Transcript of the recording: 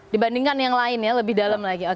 dibandingkan yang lain ya lebih dalam lagi